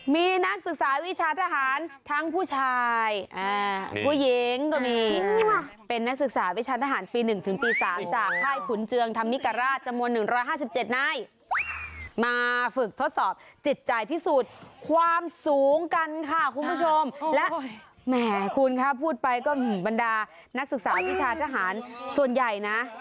มีนักศึกษาวิชาทหารทั้งผู้ชายผู้หญิงก็มีเป็นนักศึกษาวิชาทหารปี๑ถึงปี๓จากค่ายขุนเจืองธรรมิกราชจำนวน๑๕๗นายมาฝึกทดสอบจิตใจพิสูจน์ความสูงกันค่ะคุณผู้ชมและแหมคุณคะพูดไปก็บรรดานักศึกษาวิชาทหารส่วนใหญ่นะ